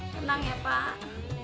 tenang ya pak